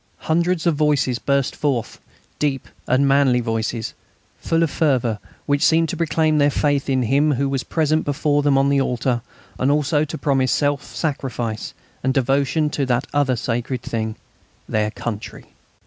hundreds of voices burst forth, deep and manly voices, full of fervour which seemed to proclaim their faith in Him Who was present before them on the altar, and also to promise self sacrifice and devotion to that other sacred thing, their Country.